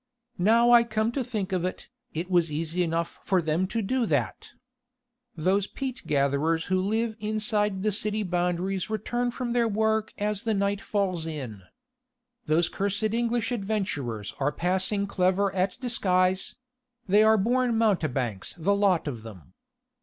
Now I come to think of it, it was easy enough for them to do that. Those peat gatherers who live inside the city boundaries return from their work as the night falls in. Those cursed English adventurers are passing clever at disguise they are born mountebanks the lot of them.